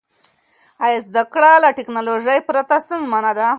آیا زده کړه له ټیکنالوژۍ پرته ستونزمنه ده؟